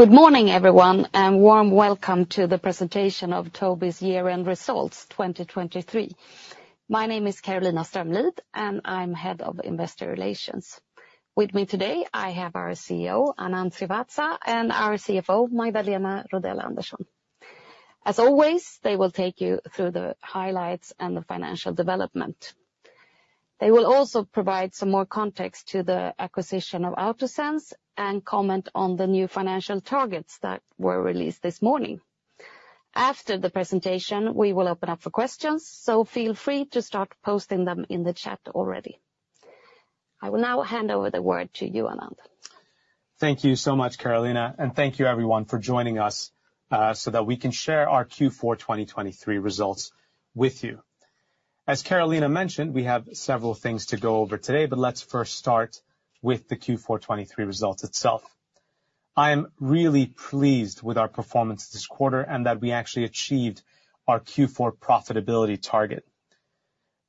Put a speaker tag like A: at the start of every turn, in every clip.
A: Good morning, everyone, and warm welcome to the presentation of Tobii's year-end results 2023. My name is Carolina Strömlid, and I'm Head of Investor Relations. With me today, I have our CEO, Anand Srivatsa, and our CFO, Magdalena Rodell Andersson. As always, they will take you through the highlights and the financial development. They will also provide some more context to the acquisition of AutoSense and comment on the new financial targets that were released this morning. After the presentation, we will open up for questions, so feel free to start posting them in the chat already. I will now hand over the word to you, Anand.
B: Thank you so much, Carolina, and thank you everyone for joining us, so that we can share our Q4 2023 results with you. As Carolina mentioned, we have several things to go over today, but let's first start with the Q4 2023 results itself. I am really pleased with our performance this quarter and that we actually achieved our Q4 profitability target.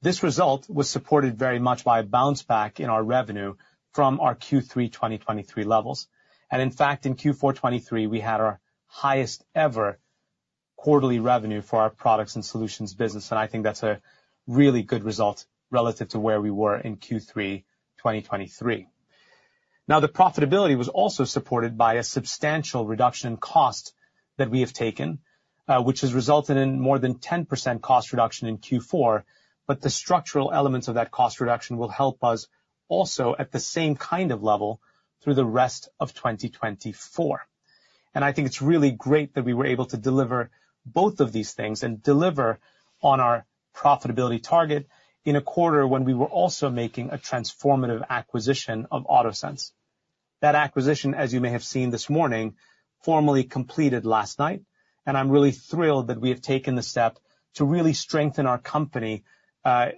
B: This result was supported very much by a bounce back in our revenue from our Q3 2023 levels. In fact, in Q4 2023, we had our highest ever quarterly revenue for our products and solutions business, and I think that's a really good result relative to where we were in Q3 2023. Now, the profitability was also supported by a substantial reduction in cost that we have taken, which has resulted in more than 10% cost reduction in Q4, but the structural elements of that cost reduction will help us also at the same kind of level through the rest of 2024. I think it's really great that we were able to deliver both of these things and deliver on our profitability target in a quarter when we were also making a transformative acquisition of AutoSense. That acquisition, as you may have seen this morning, formally completed last night, and I'm really thrilled that we have taken the step to really strengthen our company,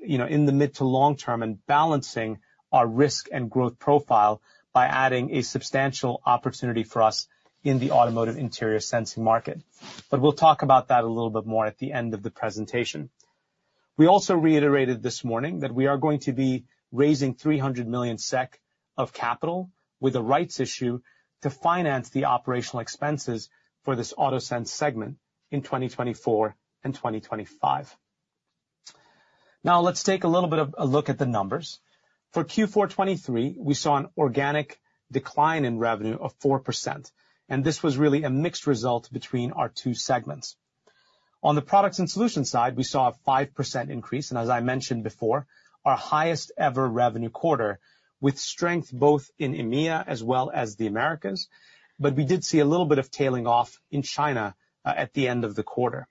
B: you know, in the mid to long term, and balancing our risk and growth profile by adding a substantial opportunity for us in the automotive interior sensing market. But we'll talk about that a little bit more at the end of the presentation. We also reiterated this morning that we are going to be raising 300 million SEK of capital with a rights issue to finance the operational expenses for this AutoSense segment in 2024 and 2025. Now, let's take a little bit of a look at the numbers. For Q4 2023, we saw an organic decline in revenue of 4%, and this was really a mixed result between our two segments. On the products and solutions side, we saw a 5% increase, and as I mentioned before, our highest ever revenue quarter, with strength both in EMEA as well as the Americas. But we did see a little bit of tailing off in China at the end of the quarter.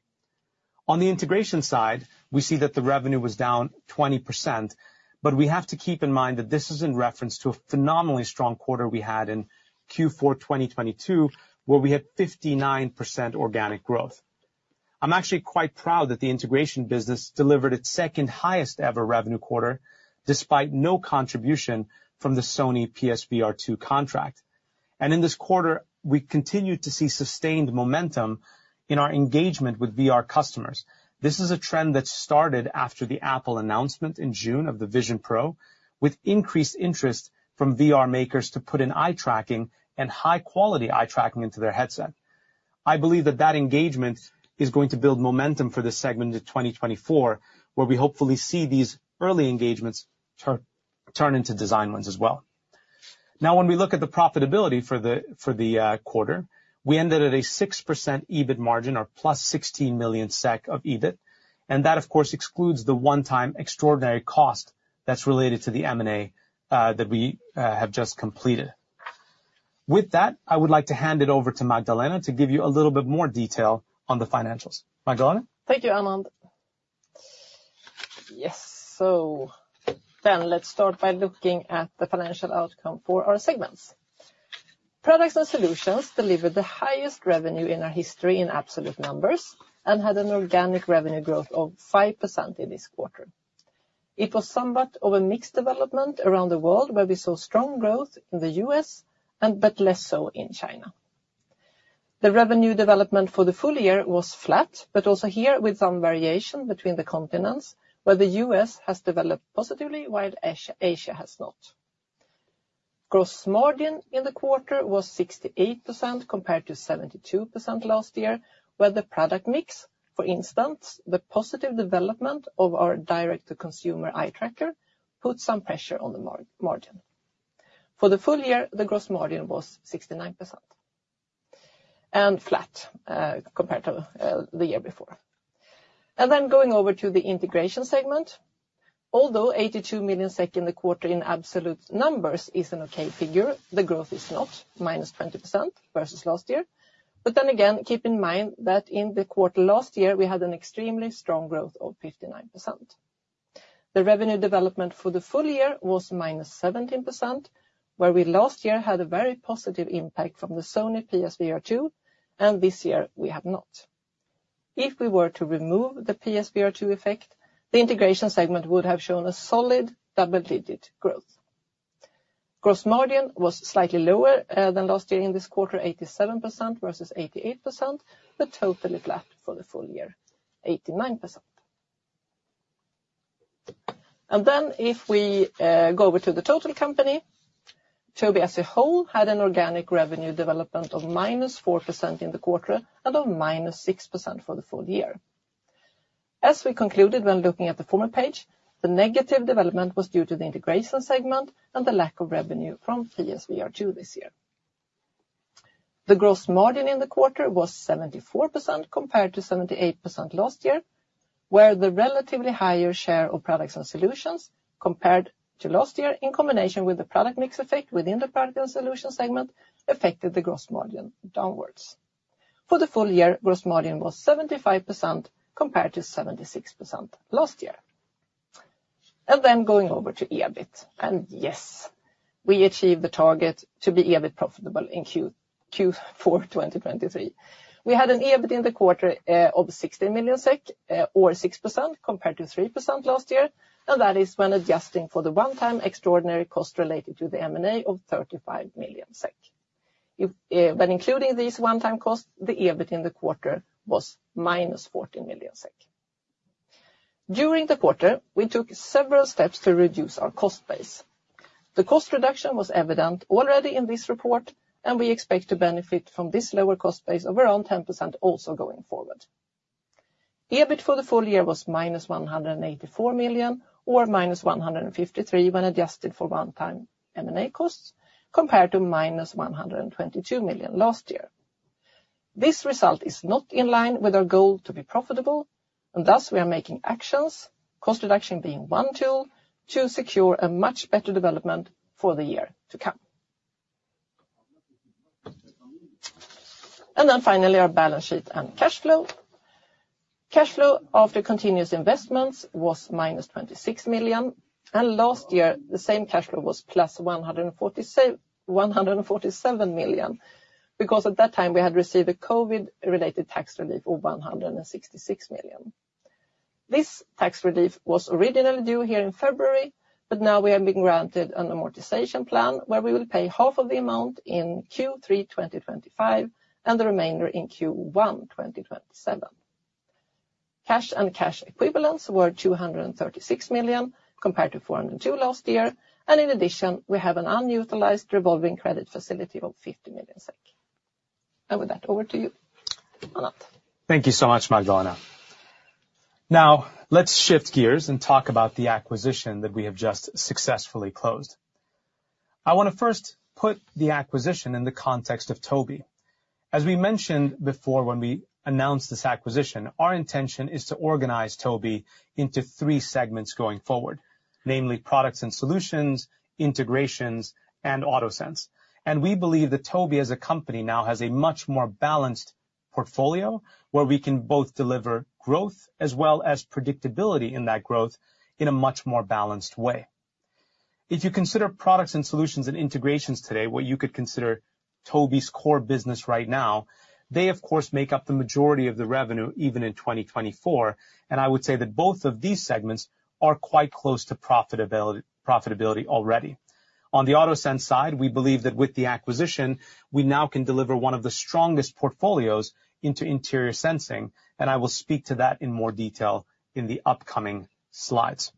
B: On the integration side, we see that the revenue was down 20%, but we have to keep in mind that this is in reference to a phenomenally strong quarter we had in Q4 2022, where we had 59% organic growth. I'm actually quite proud that the integration business delivered its second highest ever revenue quarter, despite no contribution from the Sony PS VR2 contract. In this quarter, we continued to see sustained momentum in our engagement with VR customers. This is a trend that started after the Apple announcement in June of the Vision Pro, with increased interest from VR makers to put in eye tracking and high-quality eye tracking into their headset. I believe that that engagement is going to build momentum for this segment in 2024, where we hopefully see these early engagements turn into design wins as well. Now, when we look at the profitability for the quarter, we ended at a 6% EBIT margin, or plus 16 million SEK of EBIT, and that, of course, excludes the one-time extraordinary cost that's related to the M&A that we have just completed. With that, I would like to hand it over to Magdalena to give you a little bit more detail on the financials. Magdalena?
C: Thank you, Anand. Yes, so then let's start by looking at the financial outcome for our segments. Products and Solutions delivered the highest revenue in our history in absolute numbers and had an organic revenue growth of 5% in this quarter. It was somewhat of a mixed development around the world, where we saw strong growth in the U.S. and but less so in China. The revenue development for the full year was flat, but also here with some variation between the continents, where the U.S. has developed positively, while Asia, Asia has not. Gross margin in the quarter was 68%, compared to 72% last year, where the product mix, for instance, the positive development of our direct-to-consumer eye tracker, put some pressure on the margin. For the full year, the gross margin was 69% and flat, compared to the year before. Going over to the integration segment. Although 82 million SEK in the quarter in absolute numbers is an okay figure, the growth is not, -20% versus last year. Then again, keep in mind that in the quarter last year, we had an extremely strong growth of 59%. The revenue development for the full year was -17%, where we last year had a very positive impact from the Sony PSVR2, and this year we have not. If we were to remove the PSVR2 effect, the integration segment would have shown a solid double-digit growth. Gross margin was slightly lower than last year in this quarter, 87% versus 88%, but totally flat for the full year, 89%. If we go over to the total company, Tobii as a whole had an organic revenue development of -4% in the quarter and of -6% for the full year. As we concluded when looking at the former page, the negative development was due to the integration segment and the lack of revenue from PS VR2 this year. The gross margin in the quarter was 74%, compared to 78% last year, where the relatively higher share of products and solutions compared to last year, in combination with the product mix effect within the product and solution segment, affected the gross margin downwards. For the full year, gross margin was 75%, compared to 76% last year. And then going over to EBIT. And yes, we achieved the target to be EBIT profitable in Q4 2023. We had an EBIT in the quarter of 16 million SEK, or 6% compared to 3% last year, and that is when adjusting for the one-time extraordinary cost related to the M&A of 35 million SEK. If, when including these one-time costs, the EBIT in the quarter was -14 million SEK. During the quarter, we took several steps to reduce our cost base. The cost reduction was evident already in this report, and we expect to benefit from this lower cost base of around 10% also going forward. EBIT for the full year was -184 million, or -153 when adjusted for one time M&A costs, compared to -122 million last year. This result is not in line with our goal to be profitable, and thus we are making actions, cost reduction being one tool, to secure a much better development for the year to come. Then finally, our balance sheet and cash flow. Cash flow after continuous investments was -26 million, and last year, the same cash flow was +147 million, because at that time, we had received a COVID-related tax relief of 166 million. This tax relief was originally due here in February, but now we have been granted an amortization plan, where we will pay half of the amount in Q3 2025, and the remainder in Q1 2027. Cash and cash equivalents were 236 million, compared to 402 million last year, and in addition, we have an unutilized revolving credit facility of 50 million SEK. With that, over to you, Anand.
B: Thank you so much, Magdalena. Now, let's shift gears and talk about the acquisition that we have just successfully closed. I want to first put the acquisition in the context of Tobii. As we mentioned before, when we announced this acquisition, our intention is to organize Tobii into three segments going forward, namely, products and solutions, integrations, and AutoSense. We believe that Tobii, as a company, now has a much more balanced portfolio, where we can both deliver growth as well as predictability in that growth in a much more balanced way. If you consider products and solutions and integrations today, what you could consider Tobii's core business right now, they, of course, make up the majority of the revenue, even in 2024, and I would say that both of these segments are quite close to profitability already. On the AutoSense side, we believe that with the acquisition, we now can deliver one of the strongest portfolios into interior sensing, and I will speak to that in more detail in the upcoming slides.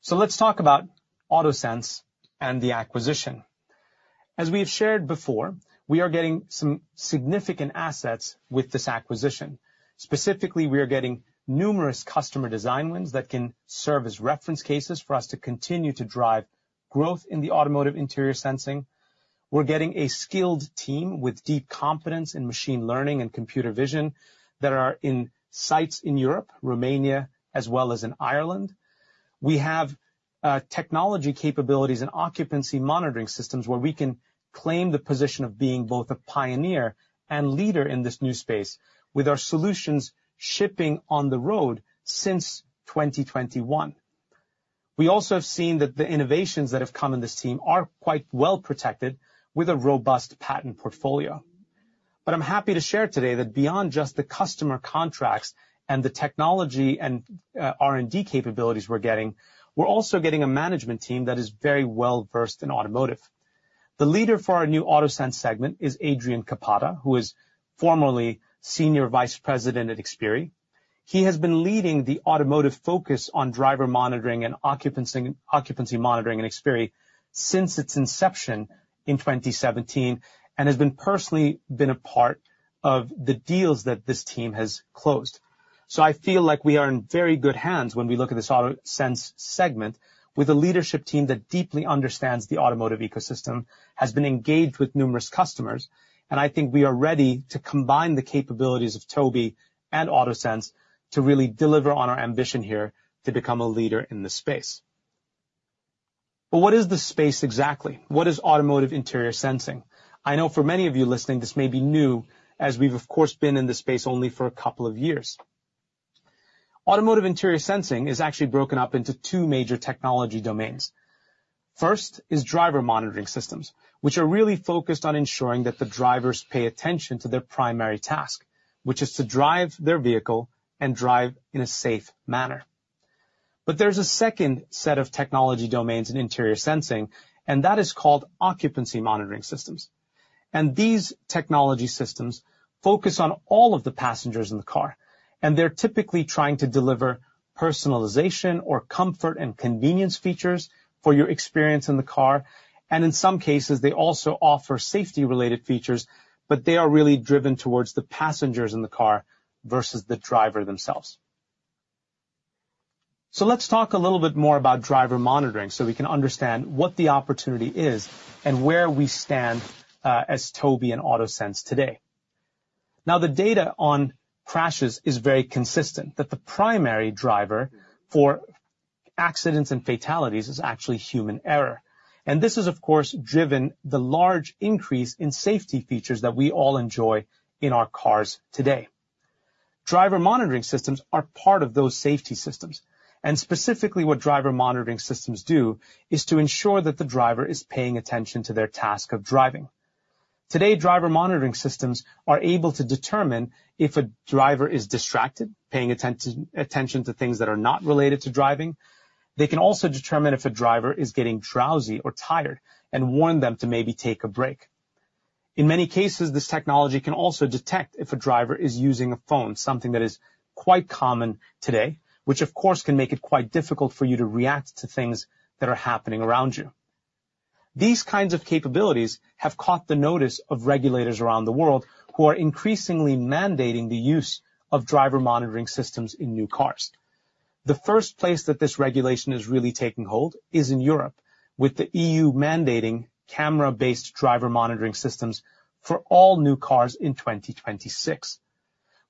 B: So let's talk about AutoSense and the acquisition. As we have shared before, we are getting some significant assets with this acquisition. Specifically, we are getting numerous customer design wins that can serve as reference cases for us to continue to drive growth in the automotive interior sensing. We're getting a skilled team with deep confidence in machine learning and computer vision that are in sites in Europe, Romania, as well as in Ireland. We have technology capabilities and occupancy monitoring systems where we can claim the position of being both a pioneer and leader in this new space, with our solutions shipping on the road since 2021. We also have seen that the innovations that have come in this team are quite well protected with a robust patent portfolio. But I'm happy to share today that beyond just the customer contracts and the technology and R&D capabilities we're getting, we're also getting a management team that is very well-versed in automotive. The leader for our new AutoSense segment is Adrian Capata, who is formerly Senior Vice President at Xperi. He has been leading the automotive focus on driver monitoring and occupancy, occupancy monitoring at Xperi since its inception in 2017, and has personally been a part of the deals that this team has closed. So I feel like we are in very good hands when we look at this AutoSense segment with a leadership team that deeply understands the automotive ecosystem, has been engaged with numerous customers, and I think we are ready to combine the capabilities of Tobii and AutoSense to really deliver on our ambition here to become a leader in this space. But what is this space, exactly? What is automotive interior sensing? I know for many of you listening, this may be new, as we've of course, been in this space only for a couple of years. Automotive interior sensing is actually broken up into two major technology domains. First is driver monitoring systems, which are really focused on ensuring that the drivers pay attention to their primary task, which is to drive their vehicle and drive in a safe manner. But there's a second set of technology domains in interior sensing, and that is called occupant monitoring systems. These technology systems focus on all of the passengers in the car, and they're typically trying to deliver personalization or comfort and convenience features for your experience in the car. In some cases, they also offer safety-related features, but they are really driven towards the passengers in the car versus the driver themselves. Let's talk a little bit more about driver monitoring, so we can understand what the opportunity is and where we stand as Tobii and AutoSense today. Now, the data on crashes is very consistent, that the primary driver for accidents and fatalities is actually human error, and this is, of course, driven the large increase in safety features that we all enjoy in our cars today. Driver monitoring systems are part of those safety systems, and specifically, what driver monitoring systems do is to ensure that the driver is paying attention to their task of driving. Today, driver monitoring systems are able to determine if a driver is distracted, paying attention to things that are not related to driving. They can also determine if a driver is getting drowsy or tired and warn them to maybe take a break. In many cases, this technology can also detect if a driver is using a phone, something that is quite common today, which of course, can make it quite difficult for you to react to things that are happening around you. These kinds of capabilities have caught the notice of regulators around the world, who are increasingly mandating the use of driver monitoring systems in new cars. The first place that this regulation is really taking hold is in Europe, with the EU mandating camera-based driver monitoring systems for all new cars in 2026.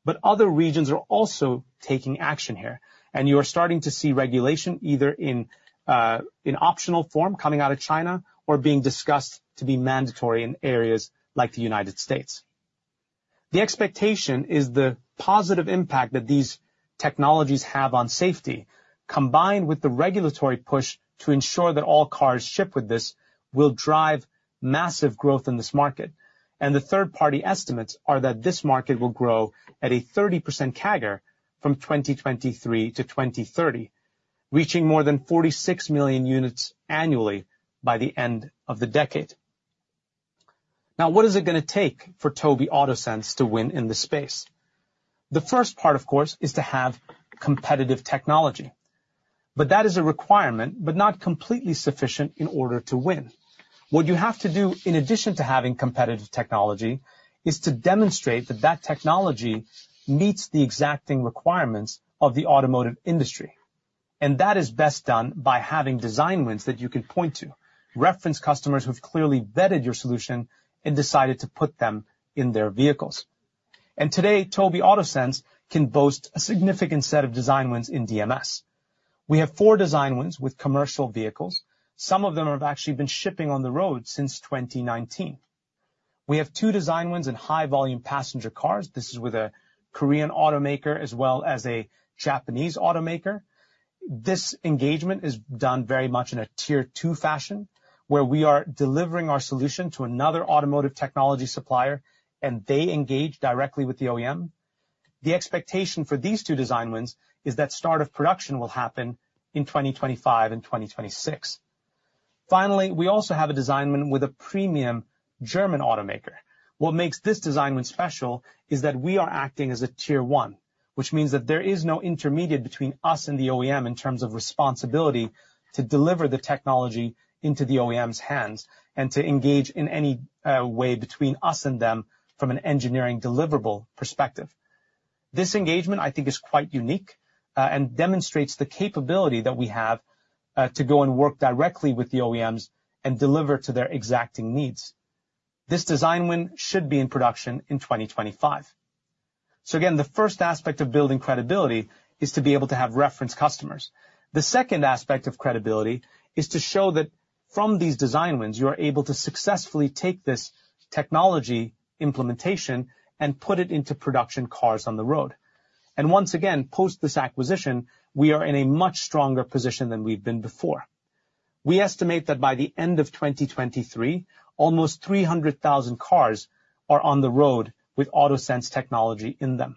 B: But other regions are also taking action here, and you are starting to see regulation either in an optional form coming out of China or being discussed to be mandatory in areas like the United States. The expectation is the positive impact that these technologies have on safety, combined with the regulatory push to ensure that all cars ship with this, will drive massive growth in this market. And the third-party estimates are that this market will grow at a 30% CAGR from 2023 to 2030, reaching more than 46 million units annually by the end of the decade. Now, what is it going to take for Tobii AutoSense to win in this space? The first part, of course, is to have competitive technology, but that is a requirement, but not completely sufficient in order to win. What you have to do, in addition to having competitive technology, is to demonstrate that that technology meets the exacting requirements of the automotive industry, and that is best done by having design wins that you can point to, reference customers who've clearly vetted your solution and decided to put them in their vehicles. Today, Tobii AutoSense can boast a significant set of design wins in DMS. We have four design wins with commercial vehicles. Some of them have actually been shipping on the road since 2019. We have two design wins in high-volume passenger cars. This is with a Korean automaker as well as a Japanese automaker. This engagement is done very much in a Tier Two fashion, where we are delivering our solution to another automotive technology supplier, and they engage directly with the OEM. The expectation for these two design wins is that start of production will happen in 2025 and 2026. Finally, we also have a design win with a premium German automaker. What makes this design win special is that we are acting as a Tier One, which means that there is no intermediate between us and the OEM in terms of responsibility to deliver the technology into the OEM's hands and to engage in any way between us and them from an engineering deliverable perspective. This engagement, I think, is quite unique, and demonstrates the capability that we have to go and work directly with the OEMs and deliver to their exacting needs. This design win should be in production in 2025. So again, the first aspect of building credibility is to be able to have reference customers. The second aspect of credibility is to show that from these design wins, you are able to successfully take this technology implementation and put it into production cars on the road. Once again, post this acquisition, we are in a much stronger position than we've been before. We estimate that by the end of 2023, almost 300,000 cars are on the road with AutoSense technology in them.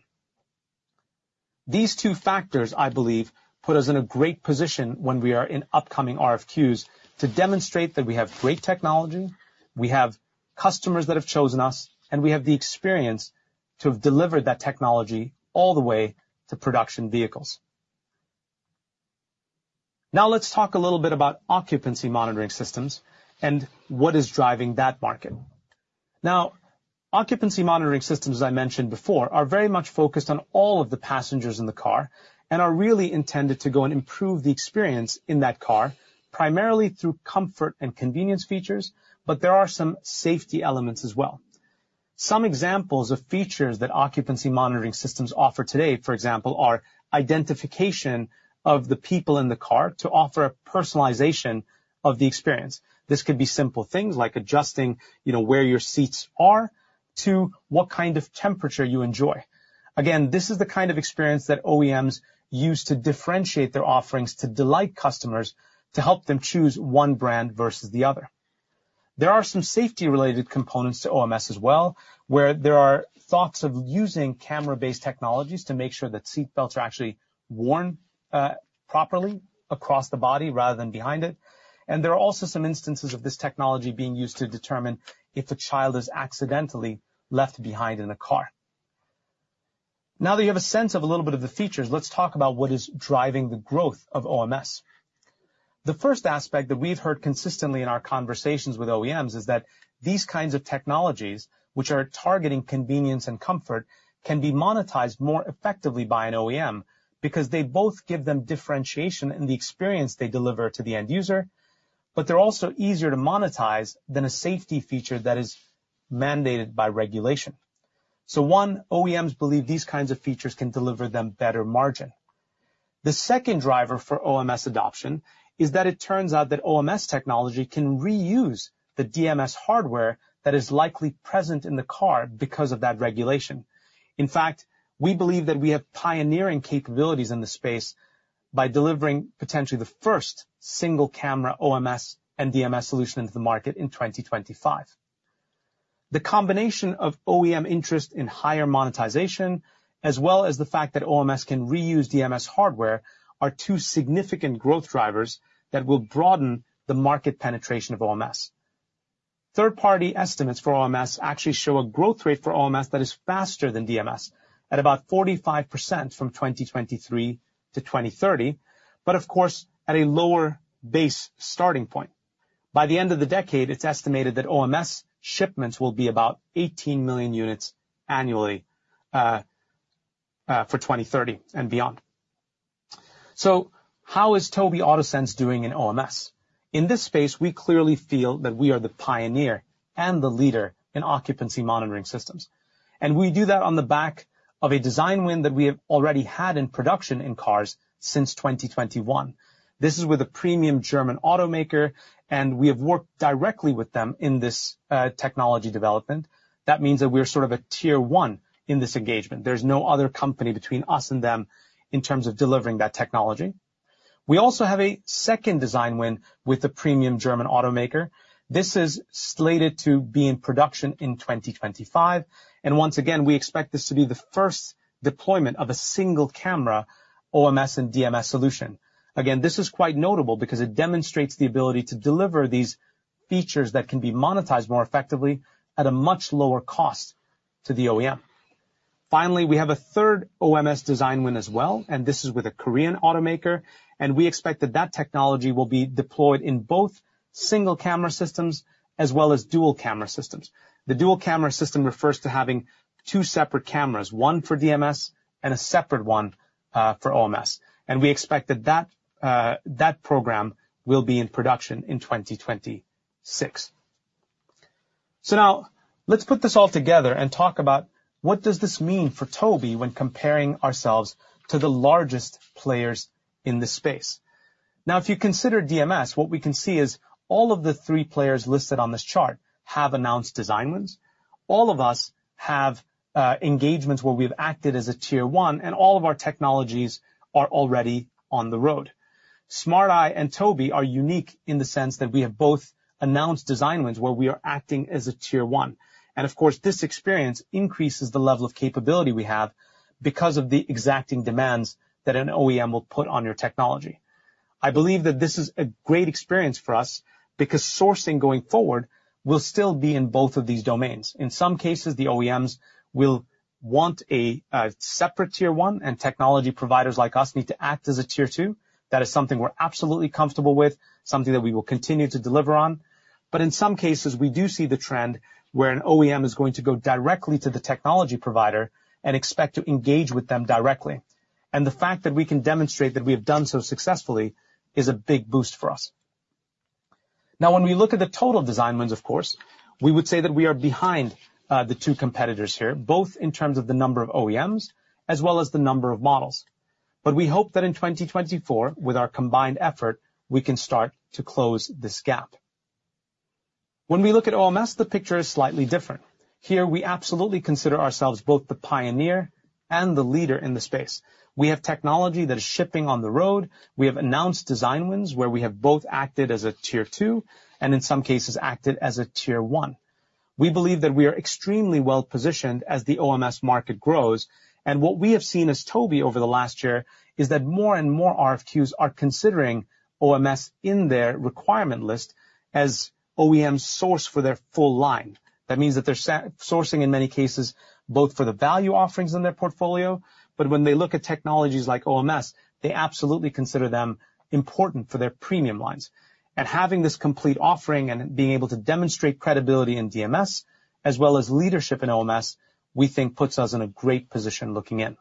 B: These two factors, I believe, put us in a great position when we are in upcoming RFQs to demonstrate that we have great technology, we have customers that have chosen us, and we have the experience to have delivered that technology all the way to production vehicles. Now, let's talk a little bit about occupant monitoring systems and what is driving that market. Now, occupant monitoring systems, as I mentioned before, are very much focused on all of the passengers in the car and are really intended to go and improve the experience in that car, primarily through comfort and convenience features, but there are some safety elements as well. Some examples of features that occupant monitoring systems offer today, for example, are identification of the people in the car to offer a personalization of the experience. This could be simple things like adjusting, you know, where your seats are, to what kind of temperature you enjoy. Again, this is the kind of experience that OEMs use to differentiate their offerings to delight customers, to help them choose one brand versus the other.... There are some safety-related components to OMS as well, where there are thoughts of using camera-based technologies to make sure that seat belts are actually worn properly across the body rather than behind it. There are also some instances of this technology being used to determine if a child is accidentally left behind in a car. Now that you have a sense of a little bit of the features, let's talk about what is driving the growth of OMS. The first aspect that we've heard consistently in our conversations with OEMs is that these kinds of technologies, which are targeting convenience and comfort, can be monetized more effectively by an OEM because they both give them differentiation in the experience they deliver to the end user, but they're also easier to monetize than a safety feature that is mandated by regulation. One, OEMs believe these kinds of features can deliver them better margin. The second driver for OMS adoption is that it turns out that OMS technology can reuse the DMS hardware that is likely present in the car because of that regulation. In fact, we believe that we have pioneering capabilities in this space by delivering potentially the first single-camera OMS and DMS solution into the market in 2025. The combination of OEM interest in higher monetization, as well as the fact that OMS can reuse DMS hardware, are two significant growth drivers that will broaden the market penetration of OMS. Third-party estimates for OMS actually show a growth rate for OMS that is faster than DMS, at about 45% from 2023 to 2030, but of course, at a lower base starting point. By the end of the decade, it's estimated that OMS shipments will be about 18 million units annually for 2030 and beyond. So how is Tobii AutoSense doing in OMS? In this space, we clearly feel that we are the pioneer and the leader in occupancy monitoring systems, and we do that on the back of a design win that we have already had in production in cars since 2021. This is with a premium German automaker, and we have worked directly with them in this technology development. That means that we are sort of a Tier One in this engagement. There's no other company between us and them in terms of delivering that technology. We also have a second design win with a premium German automaker. This is slated to be in production in 2025, and once again, we expect this to be the first deployment of a single-camera OMS and DMS solution. Again, this is quite notable because it demonstrates the ability to deliver these features that can be monetized more effectively at a much lower cost to the OEM. Finally, we have a third OMS design win as well, and this is with a Korean automaker, and we expect that that technology will be deployed in both single-camera systems as well as dual-camera systems. The dual-camera system refers to having two separate cameras, one for DMS and a separate one for OMS, and we expect that that program will be in production in 2026. Now let's put this all together and talk about what does this mean for Tobii when comparing ourselves to the largest players in this space? Now, if you consider DMS, what we can see is all of the three players listed on this chart have announced design wins. All of us have engagements where we've acted as a Tier One, and all of our technologies are already on the road. Smart Eye and Tobii are unique in the sense that we have both announced design wins where we are acting as a Tier One. Of course, this experience increases the level of capability we have because of the exacting demands that an OEM will put on your technology. I believe that this is a great experience for us because sourcing going forward will still be in both of these domains. In some cases, the OEMs will want a, a separate Tier One, and technology providers like us need to act as a Tier Two. That is something we're absolutely comfortable with, something that we will continue to deliver on. But in some cases, we do see the trend where an OEM is going to go directly to the technology provider and expect to engage with them directly. The fact that we can demonstrate that we have done so successfully is a big boost for us. Now, when we look at the total design wins, of course, we would say that we are behind, the two competitors here, both in terms of the number of OEMs as well as the number of models. But we hope that in 2024, with our combined effort, we can start to close this gap. When we look at OMS, the picture is slightly different. Here, we absolutely consider ourselves both the pioneer and the leader in the space. We have technology that is shipping on the road. We have announced design wins, where we have both acted as a Tier Two and in some cases, acted as a Tier One. We believe that we are extremely well-positioned as the OMS market grows, and what we have seen as Tobii over the last year is that more and more RFQs are considering OMS in their requirement list as OEM source for their full line. That means that they're sourcing, in many cases, both for the value offerings in their portfolio, but when they look at technologies like OMS, they absolutely consider them important for their premium lines. Having this complete offering and being able to demonstrate credibility in DMS as well as leadership in OMS, we think puts us in a great position looking in.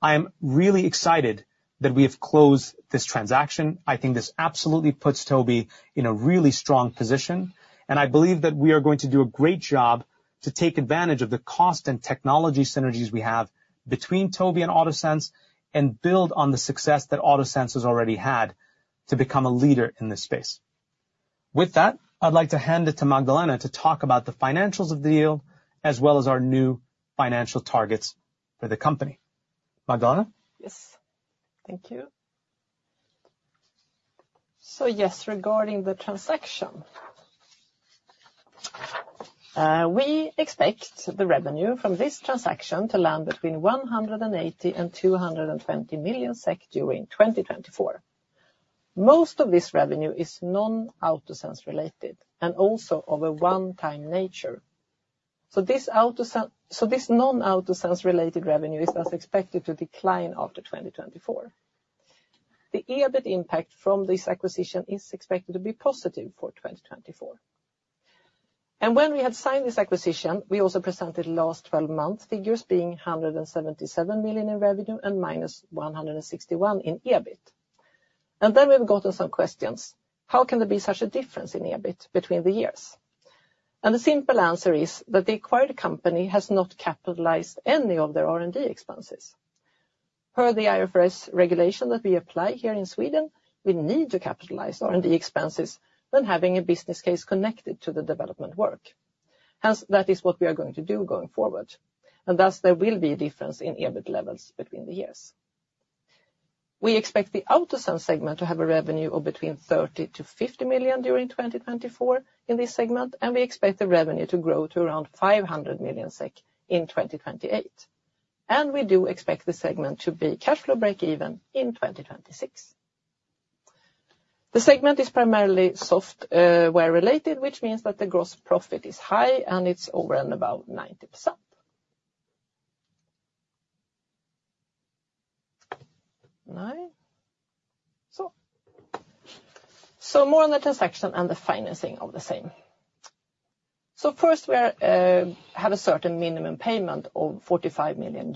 B: I am really excited that we have closed this transaction. I think this absolutely puts Tobii in a really strong position, and I believe that we are going to do a great job to take advantage of the cost and technology synergies we have between Tobii and AutoSense, and build on the success that AutoSense has already had to become a leader in this space. With that, I'd like to hand it to Magdalena to talk about the financials of the deal, as well as our new financial targets for the company. Magdalena?
C: Yes. Thank you. So yes, regarding the transaction, we expect the revenue from this transaction to land between 180 million and 220 million SEK during 2024. Most of this revenue is non-AutoSense related, and also of a one-time nature. This non-AutoSense related revenue is thus expected to decline after 2024. The EBIT impact from this acquisition is expected to be positive for 2024.When we had signed this acquisition, we also presented last twelve months figures being 177 million in revenue and -161 million in EBIT. And then we've gotten some questions: How can there be such a difference in EBIT between the years? The simple answer is that the acquired company has not capitalized any of their R&D expenses. Per the IFRS regulation that we apply here in Sweden, we need to capitalize R&D expenses when having a business case connected to the development work. Hence, that is what we are going to do going forward, and thus, there will be a difference in EBIT levels between the years. We expect the AutoSense segment to have revenue of between 30 million-50 million during 2024 in this segment, and we expect the revenue to grow to around 500 million SEK in 2028. We do expect the segment to be cash flow breakeven in 2026. The segment is primarily software related, which means that the gross profit is high, and it's over and about 90%. Now, more on the transaction and the financing of the same. First, we have a certain minimum payment of $45 million.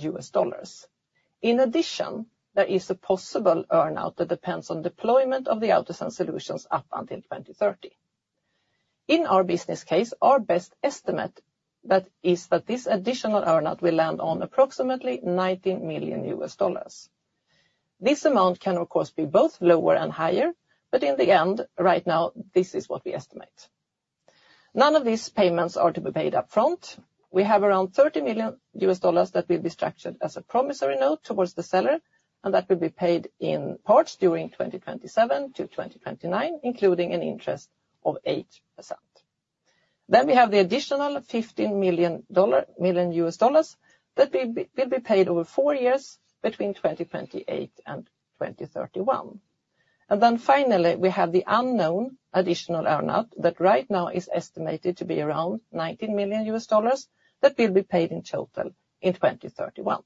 C: In addition, there is a possible earn-out that depends on deployment of the AutoSense solutions up until 2030. In our business case, our best estimate that is that this additional earn-out will land on approximately $19 million. This amount can, of course, be both lower and higher, but in the end, right now, this is what we estimate. None of these payments are to be paid up front. We have around $30 million that will be structured as a promissory note towards the seller, and that will be paid in parts during 2027-2029, including an interest of 8%. Then we have the additional $15 million that will be paid over four years between 2028 and 2031. Finally, we have the unknown additional earn-out that right now is estimated to be around $19 million, that will be paid in total in 2031.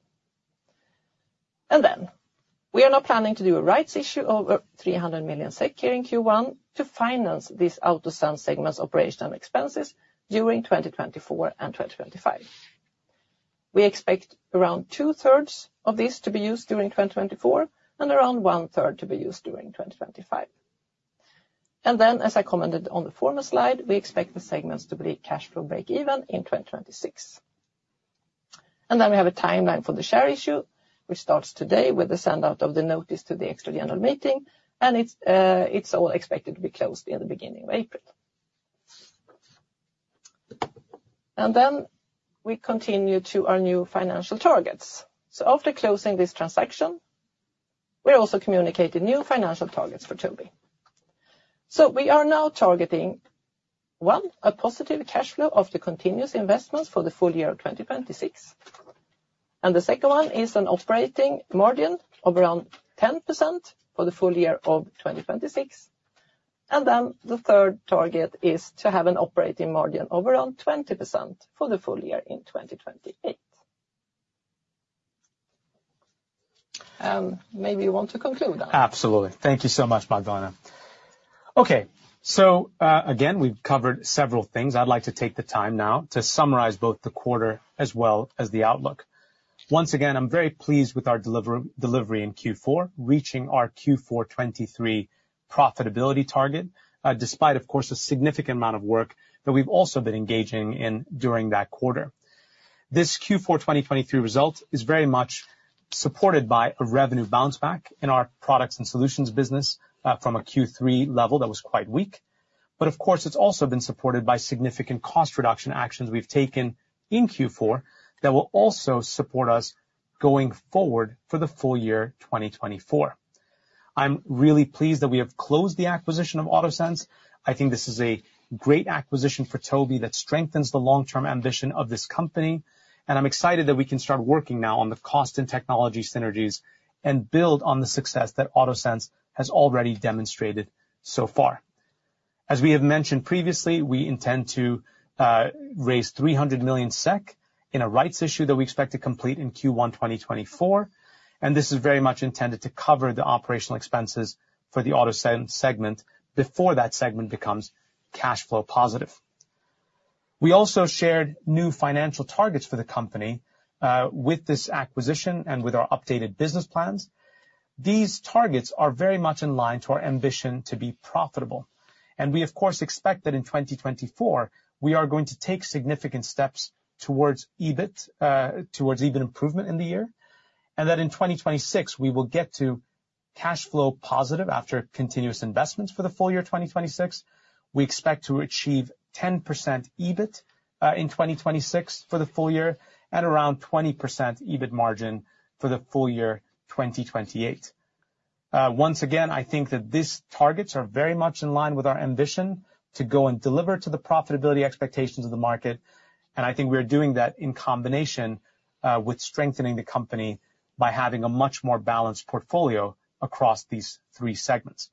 C: We are now planning to do a rights issue of over 300 million SEK here in Q1 to finance this AutoSense segment's operational expenses during 2024 and 2025. We expect around two-thirds of this to be used during 2024 and around one-third to be used during 2025. As I commented on the former slide, we expect the segments to be cash flow breakeven in 2026. We have a timeline for the share issue, which starts today with the send out of the notice to the extraordinary annual meeting, and it's all expected to be closed in the beginning of April. Then we continue to our new financial targets. So after closing this transaction, we also communicated new financial targets for Tobii. We are now targeting, one, a positive cash flow of the continuous investments for the full year of 2026, and the second one is an operating margin of around 10% for the full year of 2026, and then the third target is to have an operating margin of around 20% for the full year in 2028. Maybe you want to conclude that?
B: Absolutely. Thank you so much, Magdalena. Okay. So, again, we've covered several things. I'd like to take the time now to summarize both the quarter as well as the outlook. Once again, I'm very pleased with our delivery in Q4, reaching our Q4 2023 profitability target, despite, of course, a significant amount of work that we've also been engaging in during that quarter. This Q4 2023 result is very much supported by a revenue bounce back in our products and solutions business, from a Q3 level that was quite weak. Of course, it's also been supported by significant cost reduction actions we've taken in Q4 that will also support us going forward for the full year, 2024. I'm really pleased that we have closed the acquisition of AutoSense. I think this is a great acquisition for Tobii that strengthens the long-term ambition of this company, and I'm excited that we can start working now on the cost and technology synergies and build on the success that AutoSense has already demonstrated so far. As we have mentioned previously, we intend to raise 300 million SEK in a rights issue that we expect to complete in Q1, 2024, and this is very much intended to cover the operational expenses for the AutoSense segment before that segment becomes cash flow positive. We also shared new financial targets for the company with this acquisition and with our updated business plans. These targets are very much in line to our ambition to be profitable, and we, of course, expect that in 2024, we are going to take significant steps towards EBIT, towards EBIT improvement in the year, and that in 2026, we will get to cash flow positive after continuous investments for the full year 2026. We expect to achieve 10% EBIT, in 2026 for the full year and around 20% EBIT margin for the full year 2028. Once again, I think that these targets are very much in line with our ambition to go and deliver to the profitability expectations of the market, and I think we are doing that in combination, with strengthening the company by having a much more balanced portfolio across these three segments.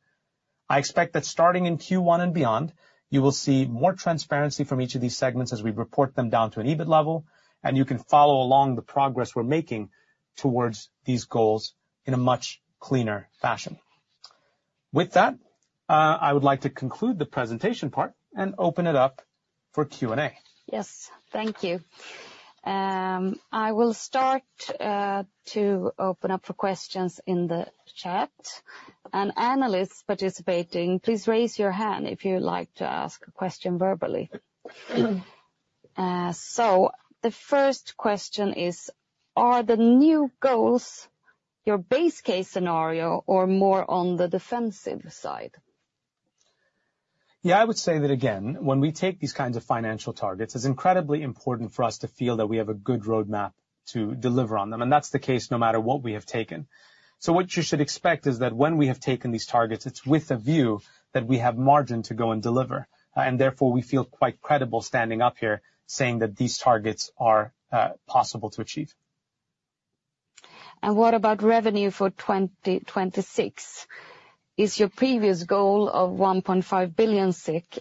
B: I expect that starting in Q1 and beyond, you will see more transparency from each of these segments as we report them down to an EBIT level, and you can follow along the progress we're making towards these goals in a much cleaner fashion. With that, I would like to conclude the presentation part and open it up for Q&A.
A: Yes, thank you. I will start to open up for questions in the chat, and analysts participating, please raise your hand if you would like to ask a question verbally. The first question is: Are the new goals your base case scenario or more on the defensive side?
B: Yeah, I would say that again, when we take these kinds of financial targets, it's incredibly important for us to feel that we have a good roadmap to deliver on them, and that's the case no matter what we have taken. What you should expect is that when we have taken these targets, it's with a view that we have margin to go and deliver, and therefore, we feel quite credible standing up here saying that these targets are possible to achieve.
A: What about revenue for 2026? Is your previous goal of 1.5 billion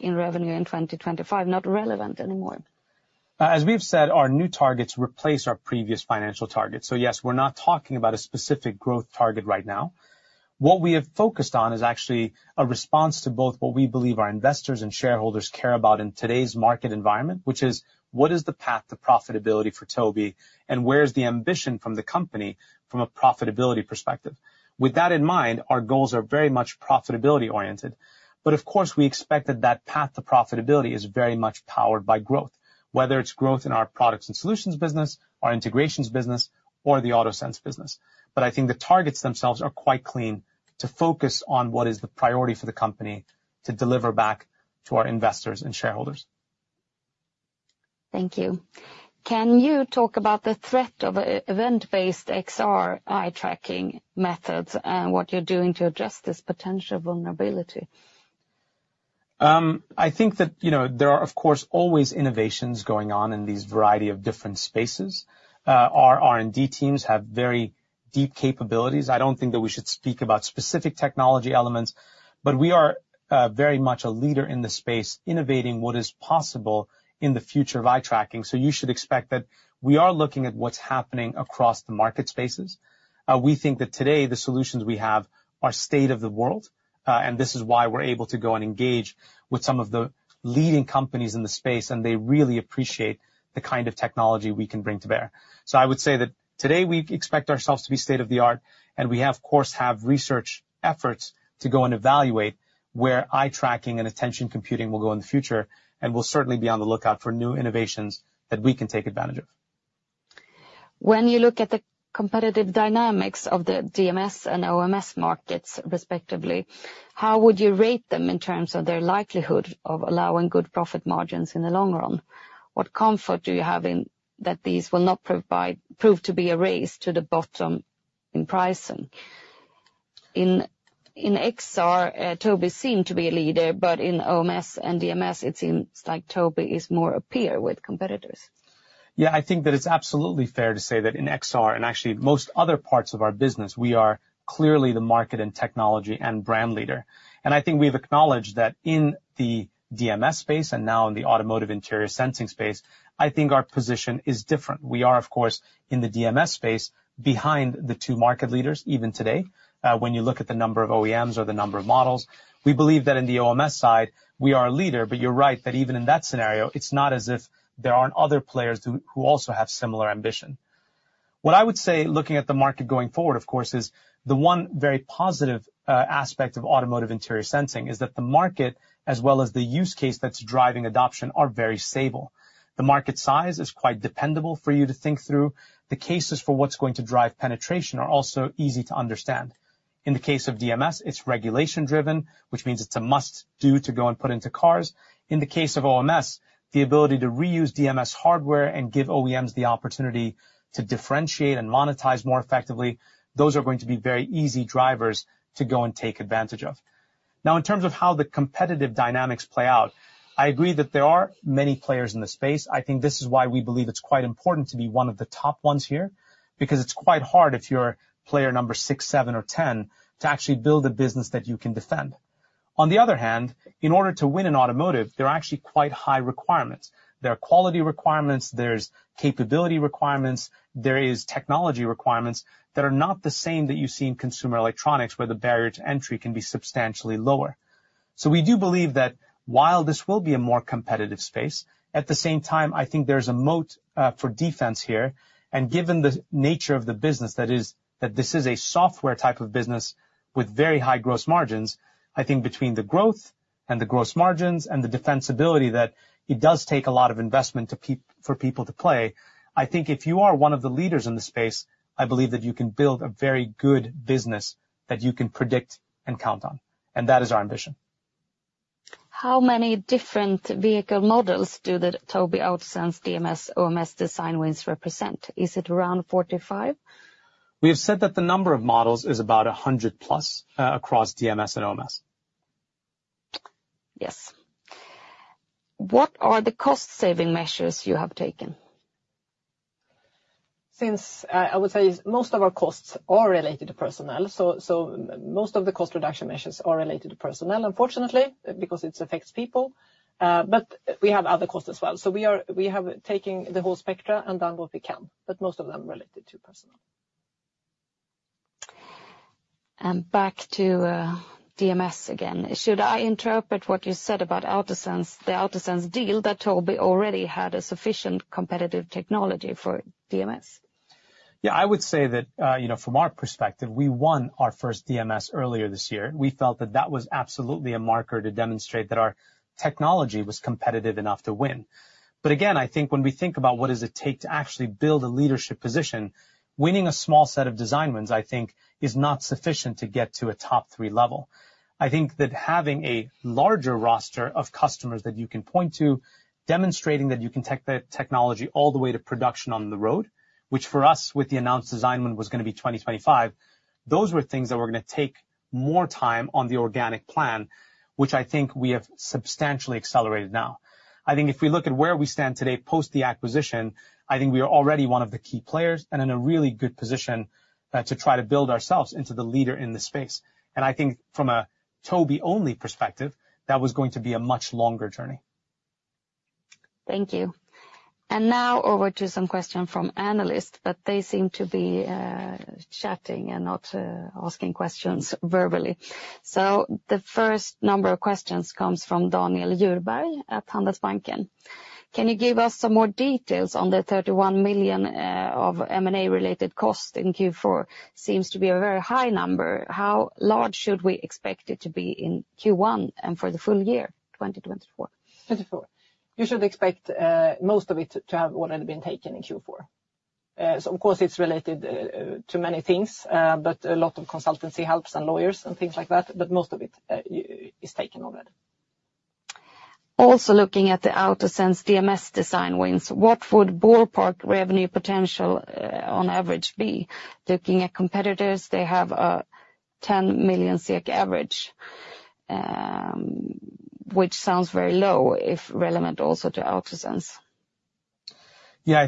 A: in revenue in 2025 not relevant anymore?
B: As we've said, our new targets replace our previous financial targets. So yes, we're not talking about a specific growth target right now. What we have focused on is actually a response to both what we believe our investors and shareholders care about in today's market environment, which is: What is the path to profitability for Tobii, and where's the ambition from the company from a profitability perspective? With that in mind, our goals are very much profitability-oriented. But of course, we expect that that path to profitability is very much powered by growth, whether it's growth in our products and solutions business, our integrations business, or the AutoSense business. I think the targets themselves are quite clean to focus on what is the priority for the company to deliver back to our investors and shareholders.
A: Thank you. Can you talk about the threat of event-based XR eye tracking methods, and what you're doing to address this potential vulnerability?
B: I think that, you know, there are, of course, always innovations going on in these variety of different spaces. Our R&D teams have very deep capabilities. I don't think that we should speak about specific technology elements, but we are very much a leader in the space, innovating what is possible in the future of eye tracking. You should expect that we are looking at what's happening across the market spaces. We think that today, the solutions we have are state of the world, and this is why we're able to go and engage with some of the leading companies in the space, and they really appreciate the kind of technology we can bring to bear. I would say that today, we expect ourselves to be state-of-the-art, and we, of course, have research efforts to go and evaluate where eye tracking and attention computing will go in the future, and we'll certainly be on the lookout for new innovations that we can take advantage of.
A: When you look at the competitive dynamics of the DMS and OMS markets, respectively, how would you rate them in terms of their likelihood of allowing good profit margins in the long run? What comfort do you have in that these will not prove to be a race to the bottom in pricing? In, in XR, Tobii seem to be a leader, but in OMS and DMS, it seems like Tobii is more a peer with competitors.
B: Yeah, I think that it's absolutely fair to say that in XR, and actually most other parts of our business, we are clearly the market and technology and brand leader. We've acknowledged that in the DMS space, and now in the automotive interior sensing space, our position is different. We are, of course, in the DMS space, behind the two market leaders, even today. When you look at the number of OEMs or the number of models, we believe that in the OMS side, we are a leader, but you're right, that even in that scenario, it's not as if there aren't other players who also have similar ambition. What I would say, looking at the market going forward, of course, is the one very positive aspect of automotive interior sensing is that the market, as well as the use case that's driving adoption, are very stable. The market size is quite dependable for you to think through. The cases for what's going to drive penetration are also easy to understand. In the case of DMS, it's regulation-driven, which means it's a must-do to go and put into cars. In the case of OMS, the ability to reuse DMS hardware and give OEMs the opportunity to differentiate and monetize more effectively, those are going to be very easy drivers to go and take advantage of. Now, in terms of how the competitive dynamics play out, I agree that there are many players in the space. I think this is why we believe it's quite important to be one of the top ones here, because it's quite hard if you're player number six, seven, or 10 to actually build a business that you can defend. On the other hand, in order to win in automotive, there are actually quite high requirements. There are quality requirements, there's capability requirements, there is technology requirements that are not the same that you see in consumer electronics, where the barrier to entry can be substantially lower. We do believe that while this will be a more competitive space, at the same time, I think there's a moat for defense here, and given the nature of the business, that is, that this is a software type of business with very high gross margins. I think between the growth and the gross margins and the defensibility, that it does take a lot of investment for people to play. I think if you are one of the leaders in the space, I believe that you can build a very good business that you can predict and count on, and that is our ambition.
A: How many different vehicle models do the Tobii AutoSense DMS, OMS design wins represent? Is it around 45?
B: We have said that the number of models is about 100+ across DMS and OMS.
A: Yes. What are the cost-saving measures you have taken?
C: Since, I would say most of our costs are related to personnel, so most of the cost reduction measures are related to personnel, unfortunately, because it affects people. We have other costs as well. We have taken the whole spectrum and done what we can, but most of them are related to personnel.
A: Back to DMS again. Should I interpret what you said about AutoSense, the AutoSense deal, that Tobii already had a sufficient competitive technology for DMS?
B: Yeah, I would say that, you know, from our perspective, we won our first DMS earlier this year. We felt that that was absolutely a marker to demonstrate that our technology was competitive enough to win. Again, I think when we think about what does it take to actually build a leadership position, winning a small set of design wins, I think, is not sufficient to get to a top three level. Having a larger roster of customers that you can point to, demonstrating that you can take the technology all the way to production on the road, which for us, with the announced design win, was gonna be 2025, those were things that were gonna take more time on the organic plan, which I think we have substantially accelerated now. If we look at where we stand today post the acquisition, we are already one of the key players and in a really good position to try to build ourselves into the leader in this space. I think from a Tobii-only perspective, that was going to be a much longer journey.
A: Thank you. Now over to some questions from analysts, but they seem to be chatting and not asking questions verbally. So the first number of questions comes from Daniel Djurberg at Handelsbanken. Can you give us some more details on the 31 million of M&A related costs in Q4? Seems to be a very high number. How large should we expect it to be in Q1 and for the full year 2024?
C: You should expect most of it to have already been taken in Q4. So of course, it's related to many things, but a lot of consultancy helps and lawyers and things like that, but most of it is taken already.
A: Also, looking at the AutoSense DMS design wins, what would ballpark revenue potential, on average be? Looking at competitors, they have a 10 million SEK average, which sounds very low, if relevant also to AutoSense.
B: Yeah,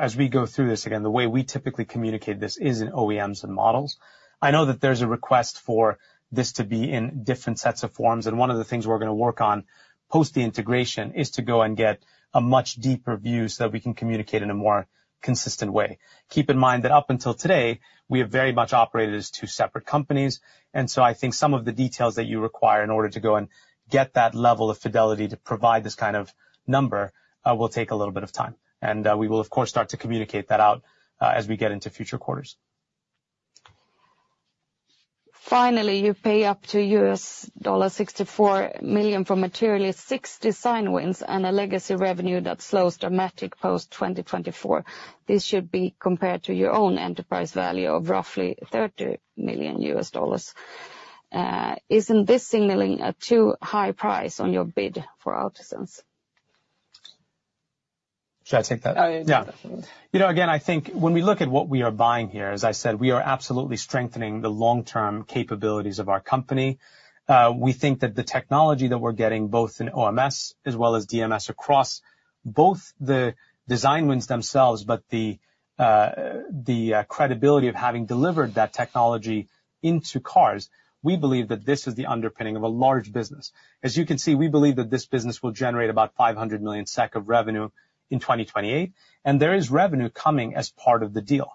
B: as we go through this again, the way we typically communicate this is in OEMs and models. I know that there's a request for this to be in different sets of forms, and one of the things we're going to work on post the integration is to go and get a much deeper view so we can communicate in a more consistent way. Keep in mind that up until today, we have very much operated as two separate companies, and so some of the details that you require in order to go and get that level of fidelity to provide this kind of number will take a little bit of time. We will, of course, start to communicate that out as we get into future quarters.
A: Finally, you pay up to $64 million for materially six design wins and a legacy revenue that slows dramatic post 2024. This should be compared to your own enterprise value of roughly $30 million. Isn't this signaling a too high price on your bid for AutoSense?
B: Should I take that?
C: Oh, yeah.
B: Yeah. You know, again, I think when we look at what we are buying here, as I said, we are absolutely strengthening the long-term capabilities of our company. We think that the technology that we're getting, both in OMS as well as DMS, across both the design wins themselves, but the credibility of having delivered that technology into cars, we believe that this is the underpinning of a large business. As you can see, we believe that this business will generate about 500 million SEK of revenue in 2028, and there is revenue coming as part of the deal.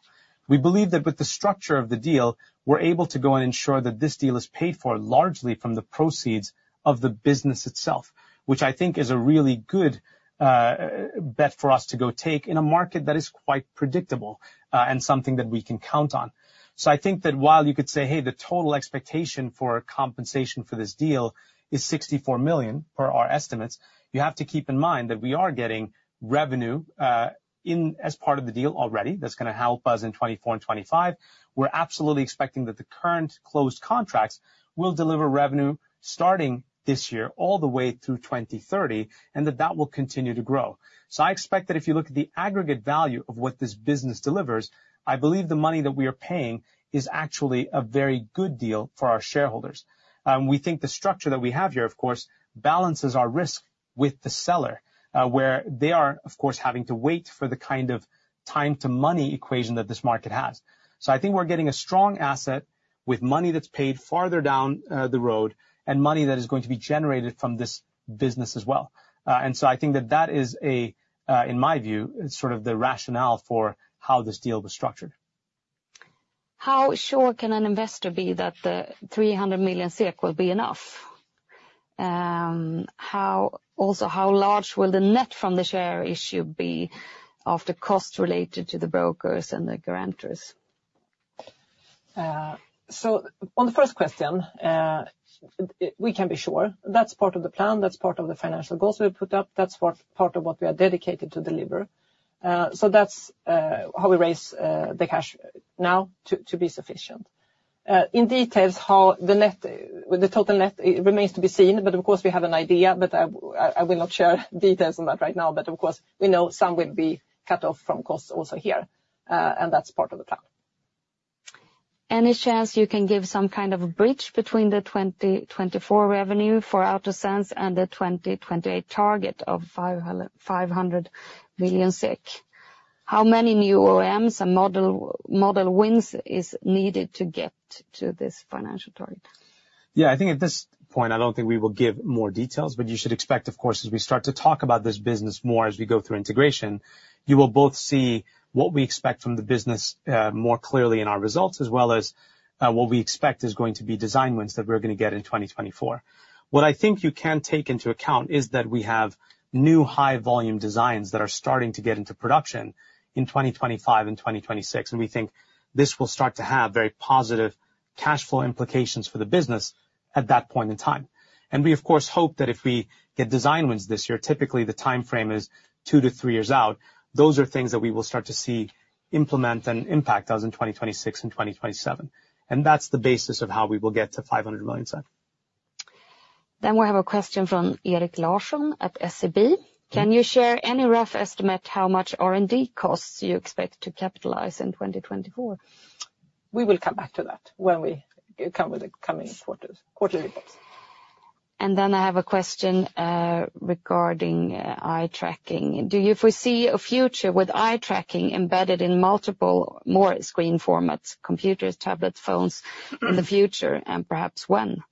B: We believe that with the structure of the deal, we're able to go and ensure that this deal is paid for largely from the proceeds of the business itself, which I think is a really good bet for us to go take in a market that is quite predictable, and something that we can count on. While you could say, "Hey, the total expectation for compensation for this deal is $64 million per our estimates," you have to keep in mind that we are getting revenue in as part of the deal already. That's gonna help us in 2024 and 2025. We're absolutely expecting that the current closed contracts will deliver revenue starting this year, all the way through 2030, and that that will continue to grow. I expect that if you look at the aggregate value of what this business delivers, I believe the money that we are paying is actually a very good deal for our shareholders. We think the structure that we have here, of course, balances our risk with the seller, where they are, of course, having to wait for the kind of time to money equation that this market has. We're getting a strong asset with money that's paid farther down the road and money that is going to be generated from this business as well. That is a, in my view, sort of the rationale for how this deal was structured.
A: How sure can an investor be that the 300 million SEK will be enough? Also, how large will the net from the share issue be of the cost related to the brokers and the guarantors?
C: On the first question, we can be sure. That's part of the plan, that's part of the financial goals we put up. That's part of what we are dedicated to deliver. That's how we raise the cash now to be sufficient. In details, how the net, the total net remains to be seen, but of course, we have an idea, but I will not share details on that right now. But of course, we know some will be cut off from costs also here, and that's part of the plan.
A: Any chance you can give some kind of a bridge between the 2024 revenue for AutoSense and the 2028 target of 500 million SEK? How many new OMS and model wins is needed to get to this financial target?
B: Yeah, I think at this point, I don't think we will give more details, but you should expect, of course, as we start to talk about this business more as we go through integration, you will both see what we expect from the business more clearly in our results, as well as what we expect is going to be design wins that we're gonna get in 2024. What I think you can take into account is that we have new high volume designs that are starting to get into production in 2025 and 2026, and we think this will start to have very positive cash flow implications for the business at that point in time. We, of course, hope that if we get design wins this year, typically the time frame is 2-3 years out. Those are things that we will start to see implement and impact us in 2026 and 2027. That's the basis of how we will get to 500 million.
A: We have a question from Erik Larsson at SEB. Can you share any rough estimate how much R&D costs you expect to capitalize in 2024?
C: We will come back to that when we come with the coming quarters, quarterly reports.
A: Then I have a question regarding Eye Tracking. Do you foresee a future with Eye Tracking embedded in multiple, more screen formats, computers, tablets, phones in the future, and perhaps when?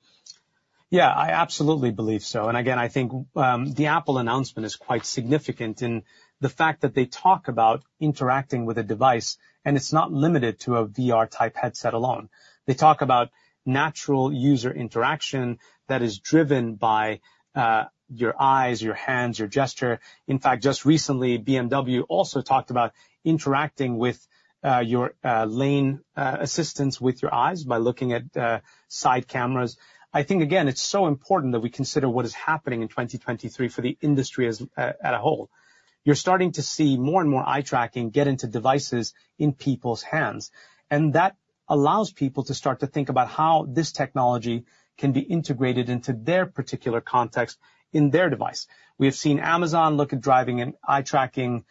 B: Yeah, I absolutely believe so. And again, I think, the Apple announcement is quite significant in the fact that they talk about interacting with a device, and it's not limited to a VR-type headset alone. They talk about natural user interaction that is driven by your eyes, your hands, your gesture. In fact, just recently, BMW also talked about interacting with your lane assistance with your eyes by looking at side cameras. I think, again, it's so important that we consider what is happening in 2023 for the industry as a whole. You're starting to see more and more eye tracking get into devices in people's hands, and that allows people to start to think about how this technology can be integrated into their particular context in their device. We have seen Amazon look at driving an eye-tracking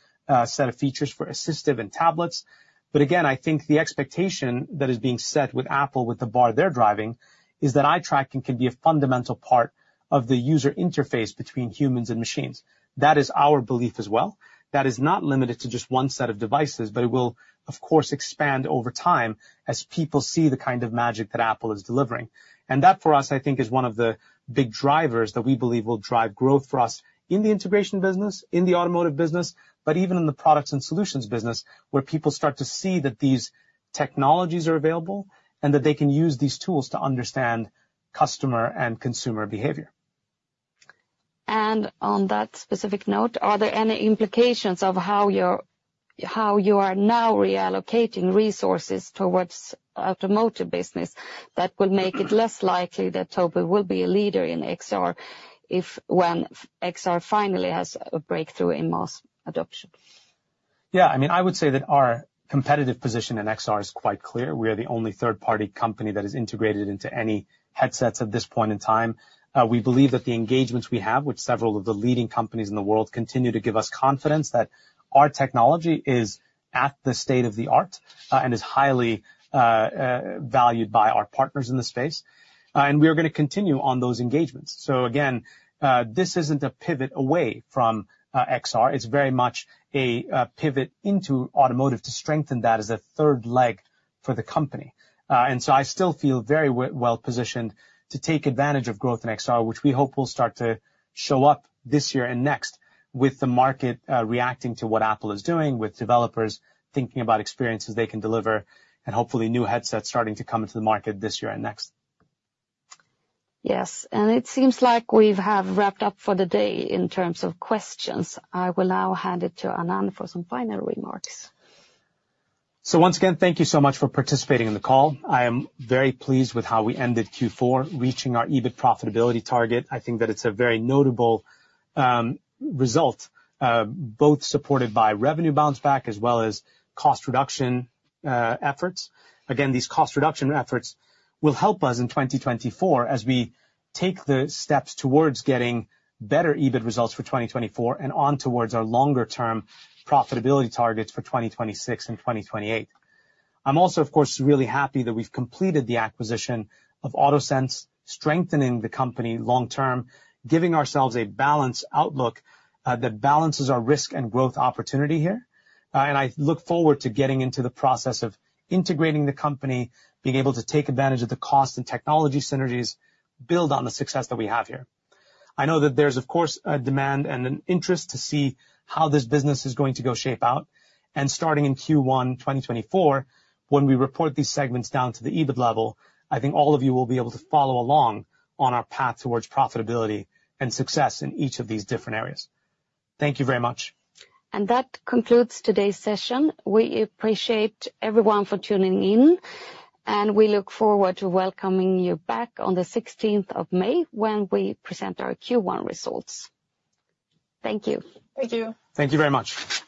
B: set of features for assistive and tablets. But again, I think the expectation that is being set with Apple, with the bar they're driving, is that eye tracking can be a fundamental part of the user interface between humans and machines. That is our belief as well. That is not limited to just one set of devices, but it will, of course, expand over time as people see the kind of magic that Apple is delivering. That, for us, I think, is one of the big drivers that we believe will drive growth for us in the integration business, in the automotive business, but even in the products and solutions business, where people start to see that these technologies are available, and that they can use these tools to understand customer and consumer behavior.
A: On that specific note, are there any implications of how you are now reallocating resources towards automotive business that will make it less likely that Tobii will be a leader in XR if, when XR finally has a breakthrough in mass adoption?
B: Yeah, I mean, I would say that our competitive position in XR is quite clear. We are the only third-party company that is integrated into any headsets at this point in time. We believe that the engagements we have with several of the leading companies in the world continue to give us confidence that our technology is at the state of the art, and is highly valued by our partners in the space. We are gonna continue on those engagements. So again, this isn't a pivot away from XR. It's very much a pivot into automotive to strengthen that as a third leg for the company. I still feel very well positioned to take advantage of growth in XR, which we hope will start to show up this year and next with the market reacting to what Apple is doing, with developers thinking about experiences they can deliver, and hopefully, new headsets starting to come into the market this year and next.
A: Yes, and it seems like we have wrapped up for the day in terms of questions. I will now hand it to Anand for some final remarks.
B: Once again, thank you so much for participating in the call. I am very pleased with how we ended Q4, reaching our EBIT profitability target. It's a very notable result, both supported by revenue bounce back as well as cost reduction efforts. Again, these cost reduction efforts will help us in 2024 as we take the steps towards getting better EBIT results for 2024 and on towards our longer term profitability targets for 2026 and 2028. I'm also, of course, really happy that we've completed the acquisition of AutoSense, strengthening the company long term, giving ourselves a balanced outlook that balances our risk and growth opportunity here. I look forward to getting into the process of integrating the company, being able to take advantage of the cost and technology synergies, build on the success that we have here. I know that there's, of course, a demand and an interest to see how this business is going to go shape out. Starting in Q1, 2024, when we report these segments down to the EBIT level, I think all of you will be able to follow along on our path towards profitability and success in each of these different areas. Thank you very much.
A: That concludes today's session. We appreciate everyone for tuning in, and we look forward to welcoming you back on the sixteenth of May when we present our Q1 results. Thank you.
C: Thank you.
B: Thank you very much.